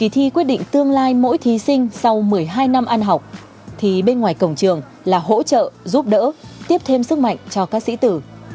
thí sinh sau một mươi hai năm ăn học thì bên ngoài cổng trường là hỗ trợ giúp đỡ tiếp thêm sức mạnh cho các sĩ tử